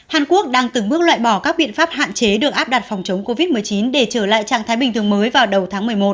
hàn quốc đang từng bước loại bỏ các biện pháp hạn chế được áp đặt phòng chống covid một mươi chín để trở lại trạng thái bình thường mới vào đầu tháng một mươi một